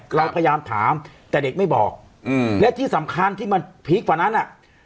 เราพยายามถามแต่เด็กไม่บอกอืมและที่สำคัญที่มันพีคกว่านั้นอ่ะ